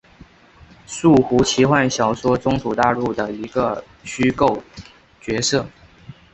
树胡奇幻小说中土大陆的一个虚构角色。